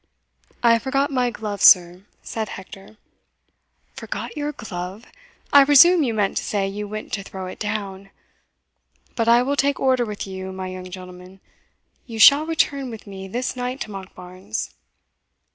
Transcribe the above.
"I forgot my glove, sir," said Hector. "Forgot your glove! I presume you meant to say you went to throw it down But I will take order with you, my young gentleman you shall return with me this night to Monkbarns."